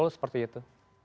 betul seperti itu